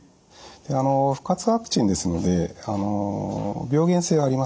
で不活化ワクチンですので病原性はありません。